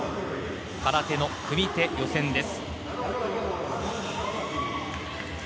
空手の組手予選です。